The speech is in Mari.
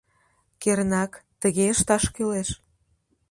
Кернак, тыге ышташ кӱлеш.